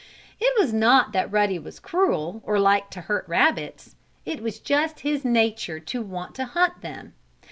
It was not that Ruddy was cruel, or liked to hurt rabbits. It was just his nature to want to hunt them.